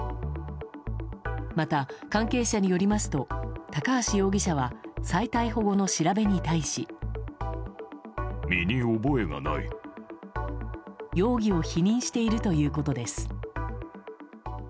また、関係者によりますと高橋容疑者は再逮捕後の調べに対し。容疑を否認しているということです。